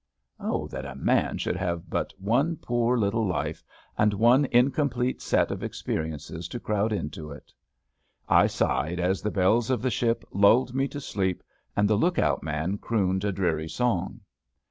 *'Oh, that a man should have but one poor little life and one incomplete set of experiences to crowd into iti *' I sighed as the bells of the ship lulled me to sleep and the lookout man crooned a dreary song.